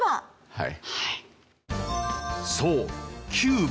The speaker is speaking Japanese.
はい。